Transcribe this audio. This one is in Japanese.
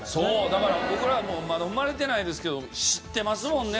だから僕らはまだ生まれてないですけど知ってますもんね